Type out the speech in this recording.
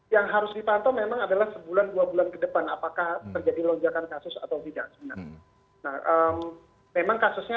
yang harus dipantau memang adalah sebulan dua bulan ke depan apakah terjadi lonjakan kasus atau tidak sebenarnya